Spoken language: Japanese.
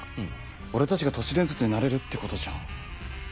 俺たちが都市伝説になれるってことじゃん。